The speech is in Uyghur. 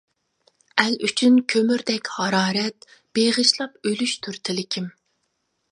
ئەل ئۈچۈن كۆمۈردەك ھارارەت، بېغىشلاپ ئۆلۈشتۇر تىلىكىم.